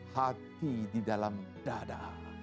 hati di dalam dada